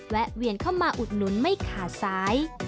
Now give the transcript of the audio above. แวนเข้ามาอุดหนุนไม่ขาดสาย